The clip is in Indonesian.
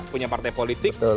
punya partai politik